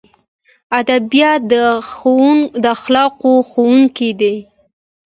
ادبیات د اخلاقو ښوونکي دي.